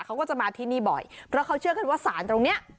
เขาก็จะมาที่นี่บ่อยเพราะเขาเชื่อกันว่าสารตรงเนี้ย